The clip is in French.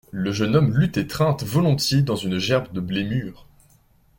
Le jeune homme l'eût étreinte volontiers dans une gerbe de blé mûr.